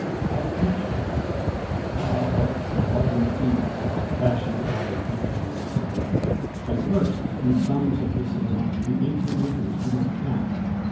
Hypatia ah, what lovely things Are fashioned out of eighteen springs! At first, in sums of this amount, The eighteen winters do not count.